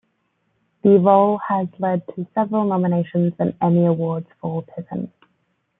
The role has led to several nominations and Emmy Awards for Piven.